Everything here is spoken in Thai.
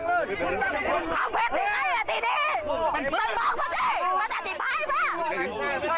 มันต้องต้องมันไม่ต้องต้องเลย